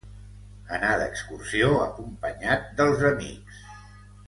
Anar d'excursió acompanyat dels amics.